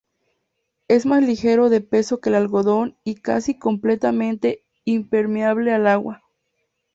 Es más ligero de peso que el algodón y casi completamente impermeable al agua.